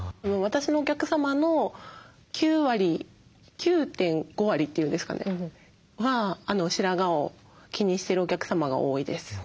私のお客様の９割９．５割って言うんですかねは白髪を気にしてるお客様が多いです。